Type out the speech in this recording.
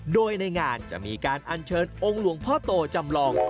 โดยในงานจะมีการอัญเชิญองค์หลวงพ่อโตจำลอง